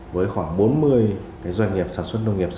với khoảng bốn mươi doanh nghiệp